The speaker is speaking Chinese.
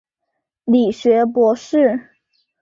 理学博士。